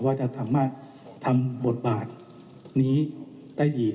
ว่าจะสามารถทำบทบาทนี้ได้อีก